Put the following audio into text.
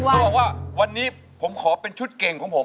เขาบอกว่าวันนี้ผมขอเป็นชุดเก่งของผม